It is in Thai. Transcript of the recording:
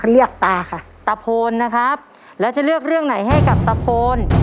ตาค่ะตะโพนนะครับแล้วจะเลือกเรื่องไหนให้กับตะโพน